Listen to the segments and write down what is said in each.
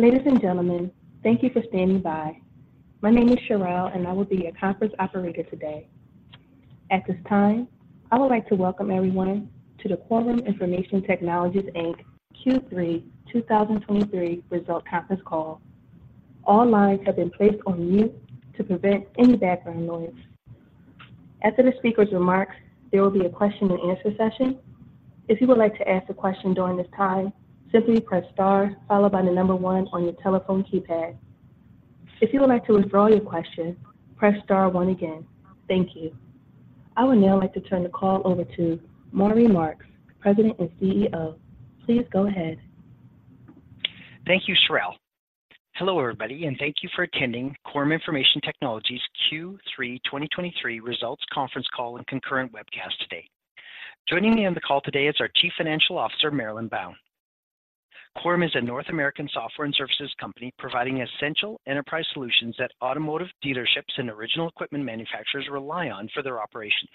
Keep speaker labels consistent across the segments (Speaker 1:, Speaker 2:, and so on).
Speaker 1: Ladies and gentlemen, thank you for standing by. My name is Shirelle, and I will be your conference operator today. At this time, I would like to welcome everyone to the Quorum Information Technologies, Inc., Q3 2023 Result Conference Call. All lines have been placed on mute to prevent any background noise. After the speaker's remarks, there will be a question and answer session. If you would like to ask a question during this time, simply press star followed by the number one on your telephone keypad. If you would like to withdraw your question, press star one again. Thank you. I would now like to turn the call over to Maury Marks, President and CEO. Please go ahead.
Speaker 2: Thank you, Shirelle. Hello, everybody, and thank you for attending Quorum Information Technologies Q3 2023 Results Conference Call and concurrent webcast today. Joining me on the call today is our Chief Financial Officer, Marilyn Bown. Quorum is a North American software and services company providing essential enterprise solutions that automotive dealerships and original equipment manufacturers rely on for their operations.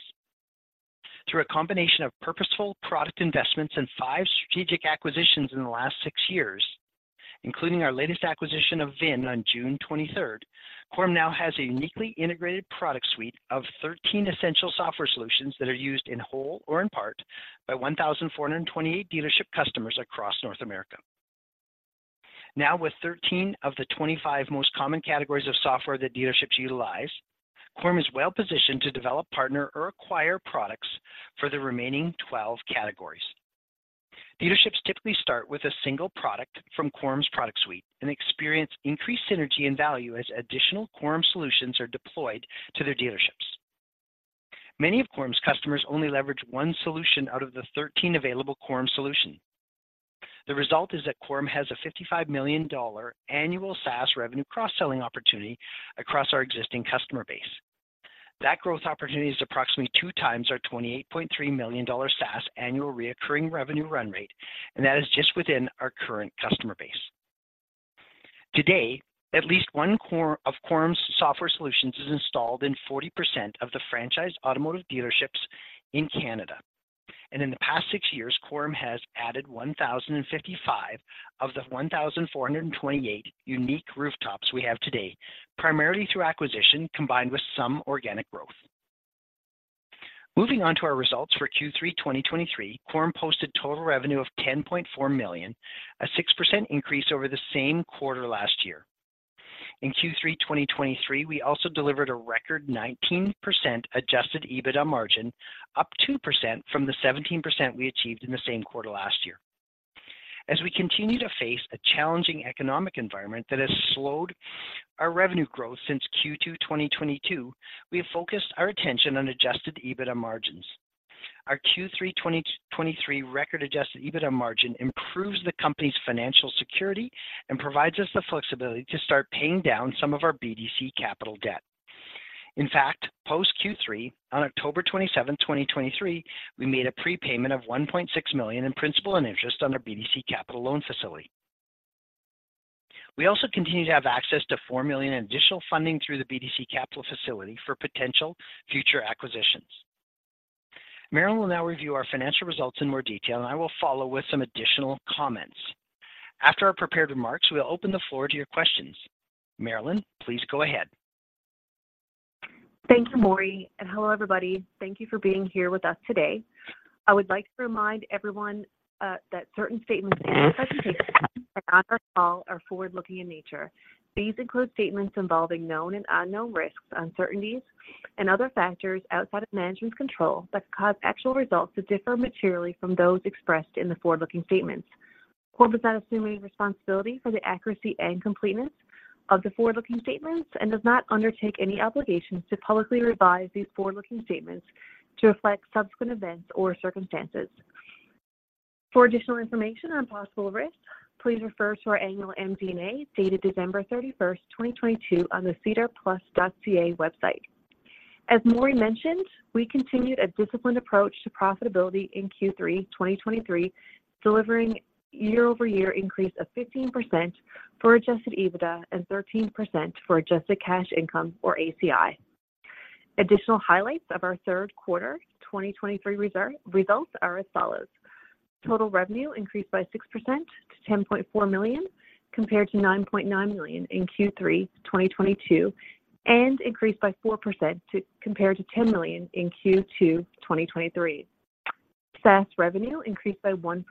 Speaker 2: Through a combination of purposeful product investments and five strategic acquisitions in the last six years, including our latest acquisition of VINN on June 23rd, Quorum now has a uniquely integrated product suite of 13 essential software solutions that are used in whole or in part by 1,428 dealership customers across North America. Now, with 13 of the 25 most common categories of software that dealerships utilize, Quorum is well positioned to develop, partner, or acquire products for the remaining 12 categories. Dealerships typically start with a single product from Quorum's product suite and experience increased synergy and value as additional Quorum solutions are deployed to their dealerships. Many of Quorum's customers only leverage one solution out of the 13 available Quorum solution. The result is that Quorum has a 55 million dollar annual SaaS revenue cross-selling opportunity across our existing customer base. That growth opportunity is approximately two times our 28.3 million dollar SaaS annual recurring revenue run rate, and that is just within our current customer base. Today, at least one of Quorum's software solutions is installed in 40% of the franchise automotive dealerships in Canada. In the past six years, Quorum has added 1,055 of the 1,428 unique rooftops we have today, primarily through acquisition, combined with some organic growth. Moving on to our results for Q3 2023, Quorum posted total revenue of 10.4 million, a 6% increase over the same quarter last year. In Q3 2023, we also delivered a record 19% Adjusted EBITDA margin, up 2% from the 17% we achieved in the same quarter last year. As we continue to face a challenging economic environment that has slowed our revenue growth since Q2 2022, we have focused our attention on Adjusted EBITDA margins. Our Q3 2023 record Adjusted EBITDA margin improves the company's financial security and provides us the flexibility to start paying down some of our BDC Capital debt. In fact, post Q3, on October 27, 2023, we made a prepayment of 1.6 million in principal and interest on our BDC Capital loan facility. We also continue to have access to 4 million in additional funding through the BDC Capital facility for potential future acquisitions. Marilyn will now review our financial results in more detail, and I will follow with some additional comments. After our prepared remarks, we'll open the floor to your questions. Marilyn, please go ahead.
Speaker 3: Thank you, Maury, and hello, everybody. Thank you for being here with us today. I would like to remind everyone that certain statements in this presentation and on our call are forward-looking in nature. These include statements involving known and unknown risks, uncertainties, and other factors outside of management's control that could cause actual results to differ materially from those expressed in the forward-looking statements. Quorum is not assuming responsibility for the accuracy and completeness of the forward-looking statements and does not undertake any obligations to publicly revise these forward-looking statements to reflect subsequent events or circumstances. For additional information on possible risks, please refer to our annual MD&A, dated December 31, 2022, on the sedarplus.ca website. As Maury mentioned, we continued a disciplined approach to profitability in Q3 2023, delivering year-over-year increase of 15% for Adjusted EBITDA and 13% for Adjusted Cash Income, or ACI. Additional highlights of our third quarter 2023 results are as follows: Total revenue increased by 6% to 10.4 million, compared to 9.9 million in Q3 2022, and increased by 4% to... compared to 10 million in Q2 2023. SaaS revenue increased by 1%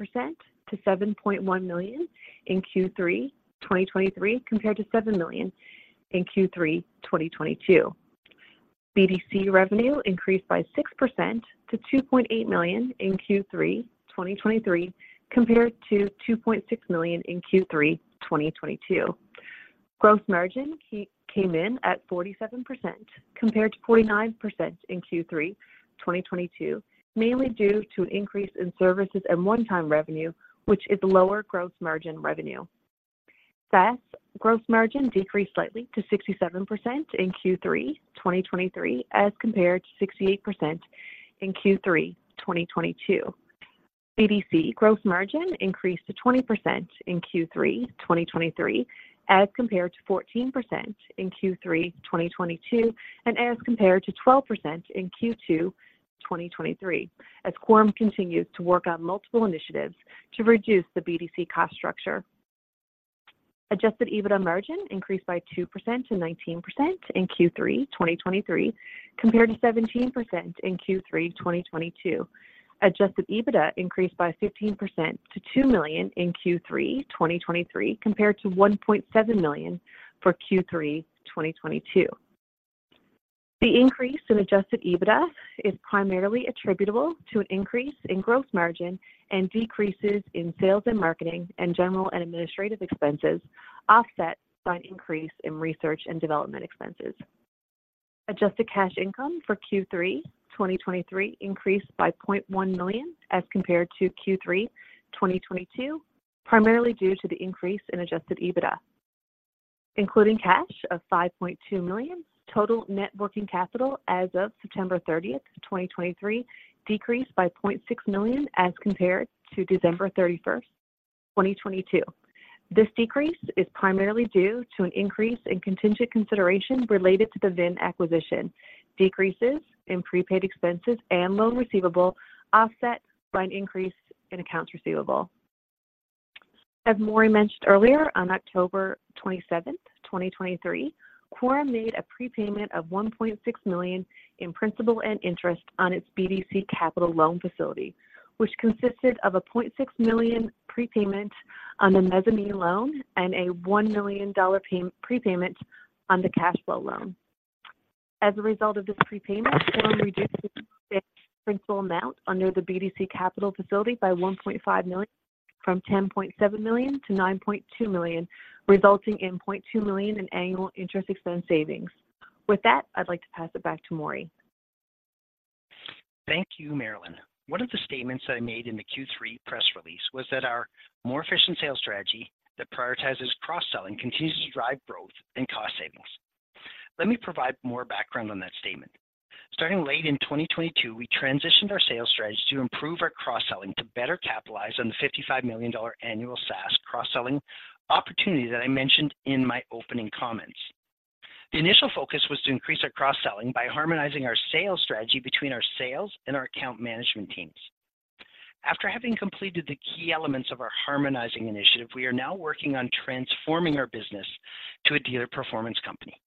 Speaker 3: to 7.1 million in Q3 2023, compared to 7 million in Q3 2022. BDC revenue increased by 6% to 2.8 million in Q3 2023, compared to 2.6 million in Q3 2022. Gross margin came in at 47%, compared to 49% in Q3 2022, mainly due to an increase in services and one-time revenue, which is lower gross margin revenue. SaaS gross margin decreased slightly to 67% in Q3 2023, as compared to 68% in Q3 2022. BDC gross margin increased to 20% in Q3 2023, as compared to 14% in Q3 2022, and as compared to 12% in Q2 2022. 2023 as Quorum continues to work on multiple initiatives to reduce the BDC cost structure. Adjusted EBITDA margin increased by 2% to 19% in Q3 2023, compared to 17% in Q3 2022. Adjusted EBITDA increased by 15% to 2 million in Q3 2023, compared to 1.7 million for Q3 2022. The increase in Adjusted EBITDA is primarily attributable to an increase in gross margin and decreases in sales and marketing and general and administrative expenses, offset by an increase in research and development expenses. Adjusted cash income for Q3 2023 increased by 0.1 million as compared to Q3 2022, primarily due to the increase in Adjusted EBITDA. Including cash of 5.2 million, total net working capital as of September 30, 2023, decreased by 0.6 million as compared to December 31, 2022. This decrease is primarily due to an increase in contingent consideration related to the VINN acquisition, decreases in prepaid expenses and loan receivable, offset by an increase in accounts receivable. As Maury mentioned earlier, on October 27, 2023, Quorum made a prepayment of 1.6 million in principal and interest on its BDC Capital loan facility, which consisted of a 0.6 million prepayment on the mezzanine loan and a 1 million dollar prepayment on the cash flow loan. As a result of this prepayment, Quorum reduced its principal amount under the BDC Capital facility by 1.5 million, from 10.7 million to 9.2 million, resulting in 0.2 million in annual interest expense savings. With that, I'd like to pass it back to Maury.
Speaker 2: Thank you, Marilyn. One of the statements that I made in the Q3 press release was that our more efficient sales strategy that prioritizes cross-selling continues to drive growth and cost savings. Let me provide more background on that statement. Starting late in 2022, we transitioned our sales strategy to improve our cross-selling to better capitalize on the 55 million dollar annual SaaS cross-selling opportunity that I mentioned in my opening comments. The initial focus was to increase our cross-selling by harmonizing our sales strategy between our sales and our account management teams. After having completed the key elements of our harmonizing initiative, we are now working on transforming our business to a dealer performance company.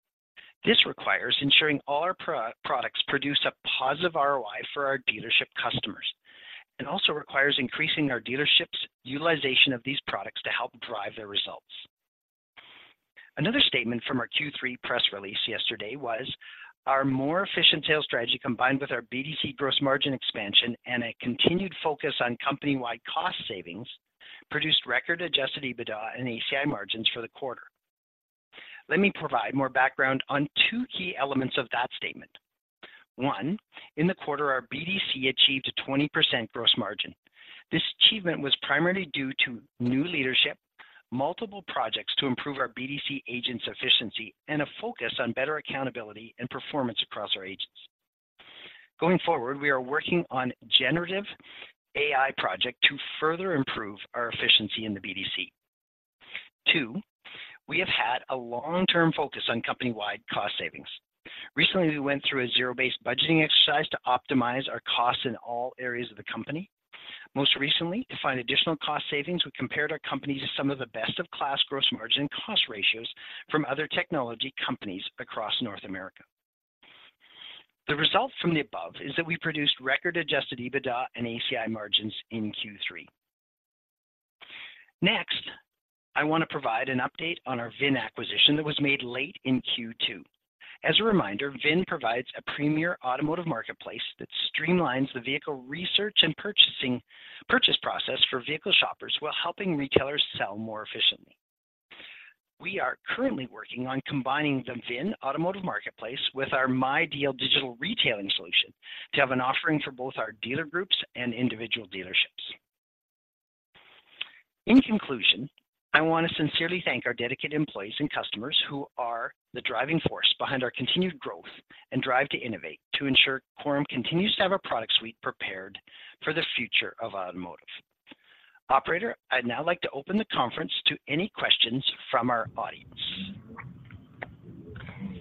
Speaker 2: This requires ensuring all our products produce a positive ROI for our dealership customers, and also requires increasing our dealerships' utilization of these products to help drive their results. Another statement from our Q3 press release yesterday was, "Our more efficient sales strategy, combined with our BDC gross margin expansion and a continued focus on company-wide cost savings, produced record Adjusted EBITDA and ACI margins for the quarter." Let me provide more background on two key elements of that statement. One, in the quarter, our BDC achieved a 20% gross margin. This achievement was primarily due to new leadership, multiple projects to improve our BDC agents' efficiency, and a focus on better accountability and performance across our agents. Going forward, we are working on generative AI project to further improve our efficiency in the BDC. Two, we have had a long-term focus on company-wide cost savings. Recently, we went through a zero-based budgeting exercise to optimize our costs in all areas of the company. Most recently, to find additional cost savings, we compared our company to some of the best-of-class gross margin cost ratios from other technology companies across North America. The result from the above is that we produced record Adjusted EBITDA and ACI margins in Q3. Next, I wanna provide an update on our VINN acquisition that was made late in Q2. As a reminder, VINN provides a premier automotive marketplace that streamlines the vehicle research and purchase process for vehicle shoppers while helping retailers sell more efficiently. We are currently working on combining the VINN automotive marketplace with our MyDeal digital retailing solution to have an offering for both our dealer groups and individual dealerships. In conclusion, I wanna sincerely thank our dedicated employees and customers, who are the driving force behind our continued growth and drive to innovate, to ensure Quorum continues to have a product suite prepared for the future of automotive. Operator, I'd now like to open the conference to any questions from our audience.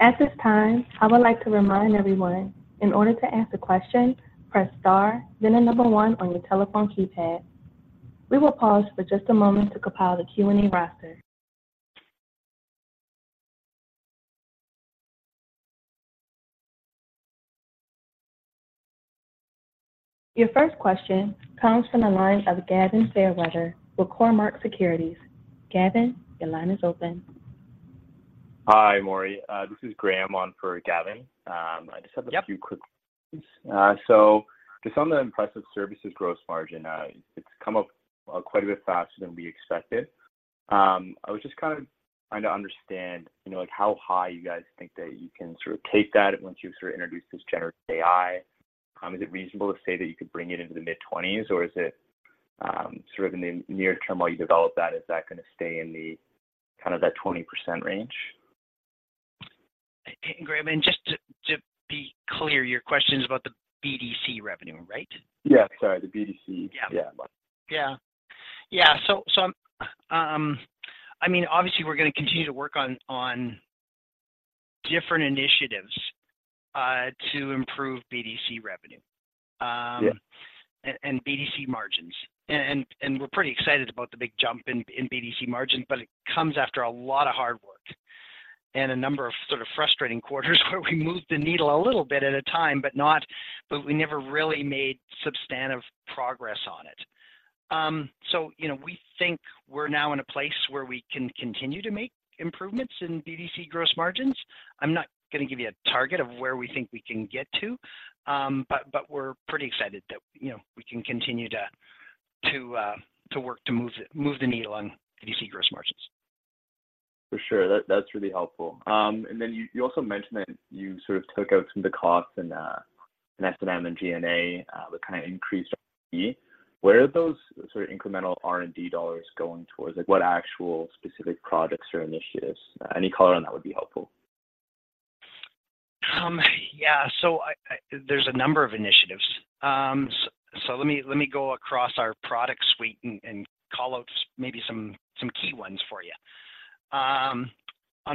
Speaker 1: At this time, I would like to remind everyone, in order to ask a question, press star, then the number one on your telephone keypad. We will pause for just a moment to compile the Q&A roster. Your first question comes from the line of Gavin Fairweather with Cormark Securities. Gavin, your line is open.
Speaker 4: Hi, Maury. This is Graham on for Gavin. I just have-
Speaker 2: Yep...
Speaker 4: a few quick questions. So just on the impressive services gross margin, it's come up quite a bit faster than we expected. I was just kind of trying to understand, you know, like, how high you guys think that you can sort of take that once you've sort of introduced this generative AI? Is it reasonable to say that you could bring it into the mid-20s, or is it sort of in the near term, while you develop that, is that gonna stay in the kind of that 20% range?
Speaker 2: Graham, and just to be clear, your question is about the BDC revenue, right?
Speaker 4: Yeah, sorry, the BDC.
Speaker 2: Yeah.
Speaker 4: Yeah.
Speaker 2: Yeah. Yeah, so, so, I mean, obviously, we're gonna continue to work on different initiatives to improve BDC revenue.
Speaker 4: Yeah.
Speaker 2: And BDC margins. And we're pretty excited about the big jump in BDC margins, but it comes after a lot of hard work and a number of sort of frustrating quarters, where we moved the needle a little bit at a time, but not—but we never really made substantive progress on it. So, you know, we think we're now in a place where we can continue to make improvements in BDC gross margins. I'm not gonna give you a target of where we think we can get to, but we're pretty excited that, you know, we can continue to work to move the needle on BDC gross margins.
Speaker 4: For sure. That, that's really helpful. And then you also mentioned that you sort of took out some of the costs and in S&M and GNA that kinda increased R&D. Where are those sort of incremental R&D dollars going towards? Like, what actual specific projects or initiatives? Any color on that would be helpful.
Speaker 2: Yeah, so there's a number of initiatives. So let me go across our product suite and call out maybe some key ones for you. On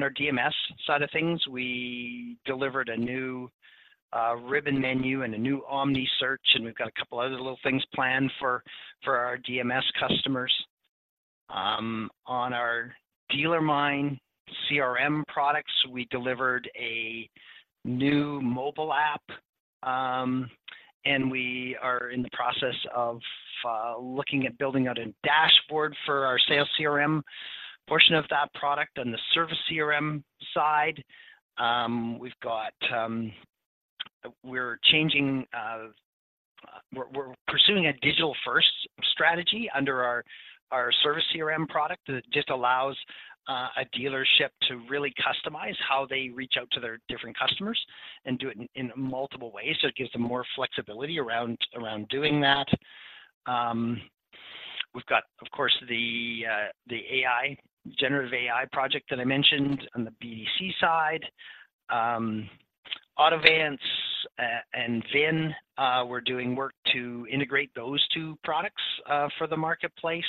Speaker 2: our DMS side of things, we delivered a new ribbon menu and a new omni search, and we've got a couple other little things planned for our DMS customers. On our DealerMine CRM products, we delivered a new mobile app, and we are in the process of looking at building out a dashboard for our sales CRM portion of that product. On the service CRM side, we've got... We're changing, we're pursuing a digital-first strategy under our service CRM product that just allows a dealership to really customize how they reach out to their different customers and do it in multiple ways, so it gives them more flexibility around doing that. We've got, of course, the AI, generative AI project that I mentioned on the BDC side. Autovance and VINN, we're doing work to integrate those two products for the marketplace.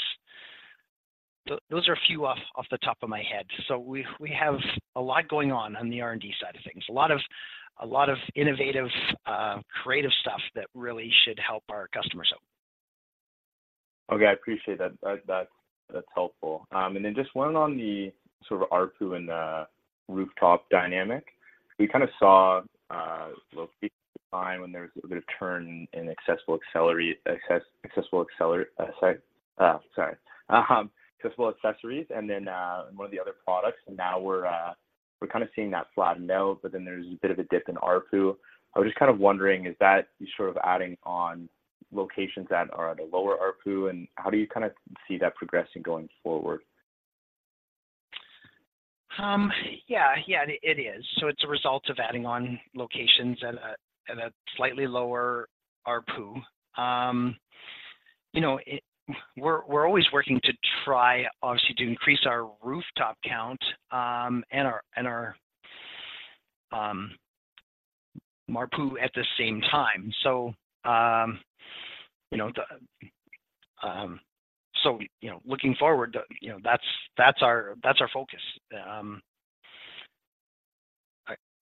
Speaker 2: Those are a few off the top of my head. So we have a lot going on the R&D side of things. A lot of innovative, creative stuff that really should help our customers out.
Speaker 4: Okay, I appreciate that. That's helpful. And then just one on the sort of ARPU and rooftop dynamic. We kinda saw a little line when there was a bit of turn in Accessible Accessories and then one of the other products, and now we're kinda seeing that flatten out, but then there's a bit of a dip in ARPU. I was just kind of wondering, is that you sort of adding on locations that are at a lower ARPU, and how do you kinda see that progressing going forward?
Speaker 2: Yeah, yeah, it is. So it's a result of adding on locations at a slightly lower ARPU. You know, we're always working to try, obviously, to increase our rooftop count, and our MARPU at the same time. So, you know, looking forward, you know, that's our focus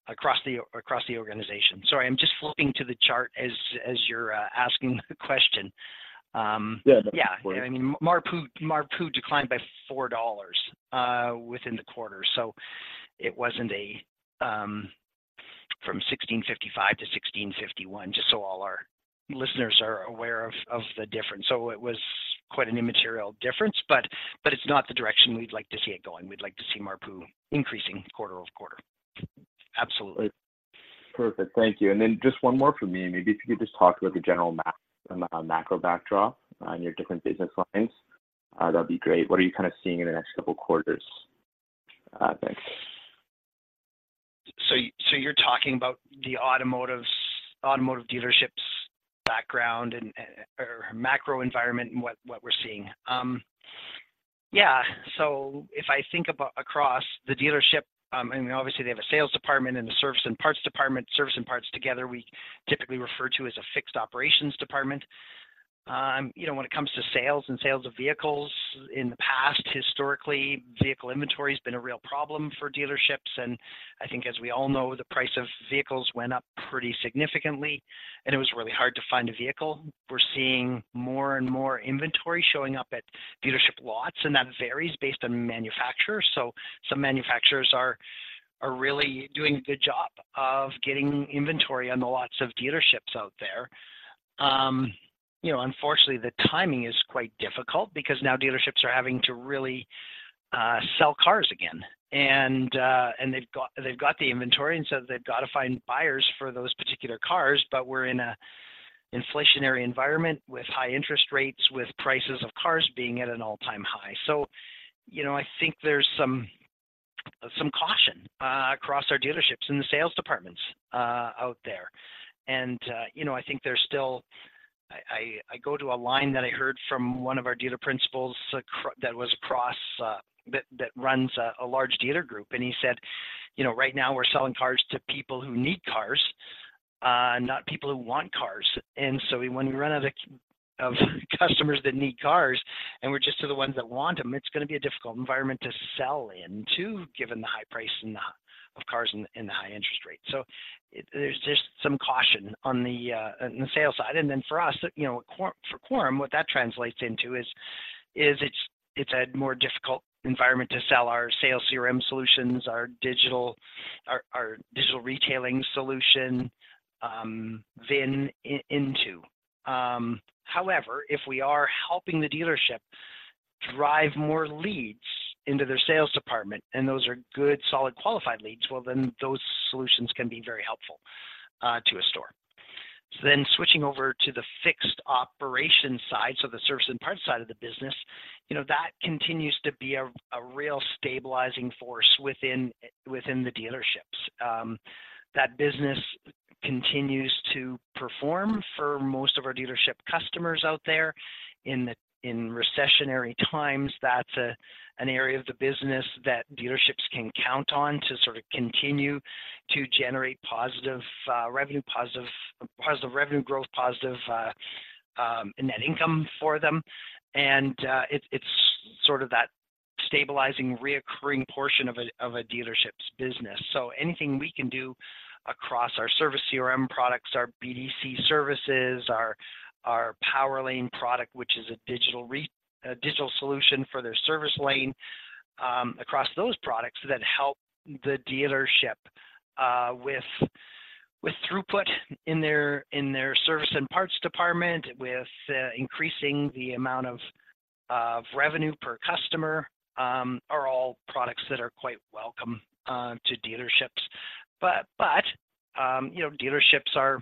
Speaker 2: across the organization. Sorry, I'm just flipping to the chart as you're asking the question.
Speaker 4: Yeah.
Speaker 2: Yeah.
Speaker 4: Of course.
Speaker 2: I mean, MARPU, MARPU declined by 4 dollars within the quarter, so it wasn't from 1,655 to 1,651, just so all our listeners are aware of the difference. So it was quite an immaterial difference, but it's not the direction we'd like to see it going. We'd like to see MARPU increasing quarter-over-quarter. Absolutely.
Speaker 4: Perfect. Thank you. And then just one more from me. Maybe if you could just talk about the general macro backdrop on your different business lines, that'd be great. What are you kinda seeing in the next couple quarters, thanks?
Speaker 2: So you're talking about the automotive dealerships background or macro environment and what we're seeing? Yeah. So if I think about across the dealership, I mean, obviously they have a sales department and a service and parts department. Service and parts together, we typically refer to as a fixed operations department. You know, when it comes to sales and sales of vehicles, in the past, historically, vehicle inventory has been a real problem for dealerships, and I think as we all know, the price of vehicles went up pretty significantly, and it was really hard to find a vehicle. We're seeing more and more inventory showing up at dealership lots, and that varies based on manufacturer. So some manufacturers are really doing a good job of getting inventory on the lots of dealerships out there. You know, unfortunately, the timing is quite difficult because now dealerships are having to really sell cars again. And they've got, they've got the inventory, and so they've got to find buyers for those particular cars, but we're in an inflationary environment with high interest rates, with prices of cars being at an all-time high. So, you know, I think there's some, some caution across our dealerships and the sales departments out there. And, you know, I think there's still... I go to a line that I heard from one of our dealer principals across that runs a large dealer group, and he said, "You know, right now we're selling cars to people who need cars."... not people who want cars. And so when we run out of customers that need cars, and we're just to the ones that want them, it's gonna be a difficult environment to sell in, too, given the high price of cars and the high interest rates. So there's just some caution on the sales side. And then for us, you know, for Quorum, what that translates into is it's a more difficult environment to sell our sales CRM solutions, our digital retailing solution, VIN into. However, if we are helping the dealership drive more leads into their sales department, and those are good, solid, qualified leads, well, then those solutions can be very helpful to a store. So then switching over to the fixed operations side, so the service and parts side of the business, you know, that continues to be a real stabilizing force within the dealerships. That business continues to perform for most of our dealership customers out there. In the—in recessionary times, that's an area of the business that dealerships can count on to sort of continue to generate positive revenue, positive revenue growth, positive net income for them. And it's sort of that stabilizing, recurring portion of a dealership's business. So anything we can do across our service CRM products, our BDC services, our PowerLane product, which is a digital solution for their service lane, across those products that help the dealership with throughput in their service and parts department, with increasing the amount of revenue per customer, are all products that are quite welcome to dealerships. But you know, dealerships are,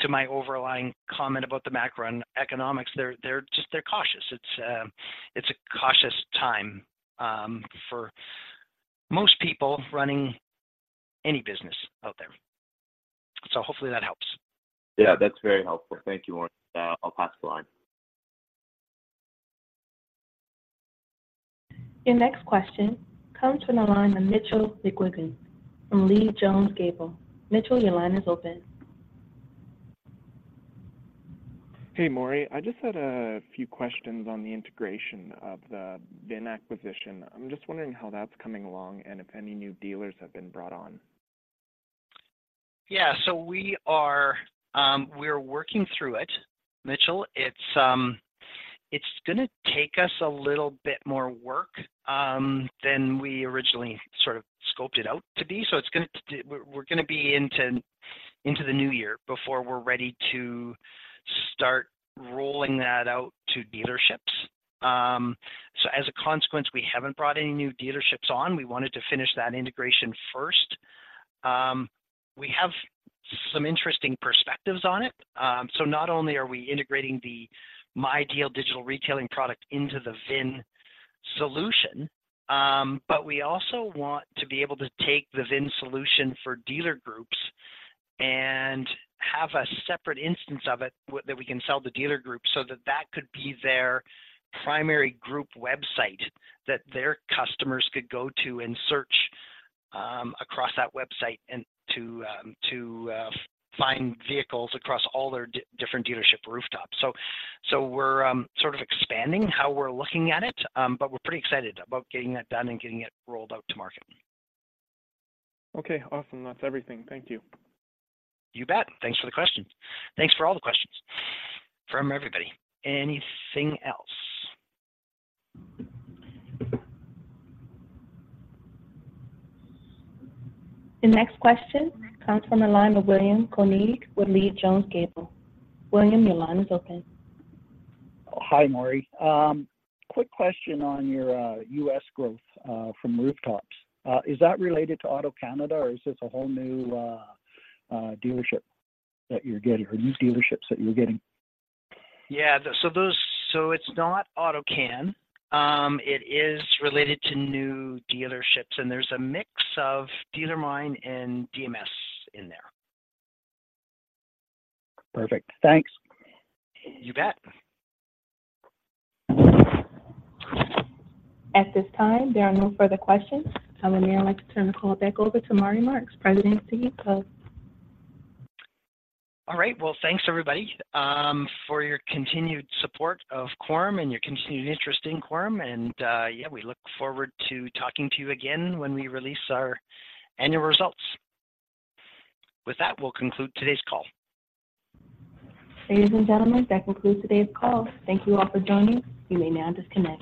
Speaker 2: to my overlying comment about the macroeconomics, they're just. They're cautious. It's a cautious time for most people running any business out there. So hopefully that helps.
Speaker 4: Yeah, that's very helpful. Thank you, Maury. I'll pass the line.
Speaker 1: Your next question comes from the line of Mitchell McQuiggin from Leede Jones Gable. Mitchell, your line is open.
Speaker 5: Hey, Maury. I just had a few questions on the integration of the VIN acquisition. I'm just wondering how that's coming along, and if any new dealers have been brought on?
Speaker 2: Yeah. So we are, we're working through it, Mitchell. It's gonna take us a little bit more work than we originally sort of scoped it out to be. So it's gonna. We're gonna be into the new year before we're ready to start rolling that out to dealerships. So as a consequence, we haven't brought any new dealerships on. We wanted to finish that integration first. We have some interesting perspectives on it. So not only are we integrating the MyDeal digital retailing product into the VINN solution, but we also want to be able to take the VINN solution for dealer groups and have a separate instance of it, that we can sell the dealer group, so that that could be their primary group website that their customers could go to and search across that website and to find vehicles across all their different dealership rooftops. So we're sort of expanding how we're looking at it, but we're pretty excited about getting that done and getting it rolled out to market.
Speaker 5: Okay, awesome. That's everything. Thank you.
Speaker 2: You bet. Thanks for the question. Thanks for all the questions from everybody. Anything else?
Speaker 1: The next question comes from the line of William Koenig with Leede Jones Gable. William, your line is open.
Speaker 6: Hi, Maury. Quick question on your US growth from Rooftops. Is that related to AutoCanada, or is this a whole new dealership that you're getting, or new dealerships that you're getting?
Speaker 2: Yeah. So it's not AutoCanada. It is related to new dealerships, and there's a mix of DealerMine and DMS in there.
Speaker 6: Perfect. Thanks.
Speaker 2: You bet.
Speaker 1: At this time, there are no further questions. I would now like to turn the call back over to Maury Marks, President and CEO.
Speaker 2: All right. Well, thanks, everybody, for your continued support of Quorum and your continued interest in Quorum. And, yeah, we look forward to talking to you again when we release our annual results. With that, we'll conclude today's call.
Speaker 1: Ladies and gentlemen, that concludes today's call. Thank you all for joining. You may now disconnect.